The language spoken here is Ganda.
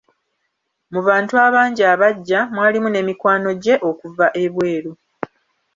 Mu bantu abangi abajja, mwalimu ne mikwano gye okuva e bweru.